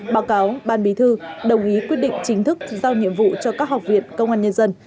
báo cáo ban bí thư đồng ý quyết định chính thức giao nhiệm vụ cho các học viện công an nhân dân